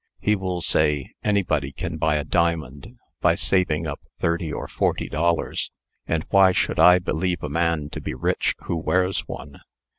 He will say, 'Anybody can buy a diamond, by saving up thirty or forty dollars; and why should I believe a man to be rich who wears one?'